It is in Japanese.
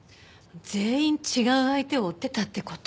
全員違う相手を追ってたって事？